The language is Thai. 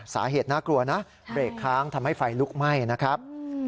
น่ากลัวนะเบรกค้างทำให้ไฟลุกไหม้นะครับ